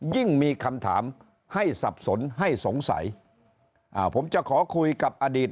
ยิ่งมีคำถามให้สับสนให้สงสัยอ่าผมจะขอคุยกับอดีต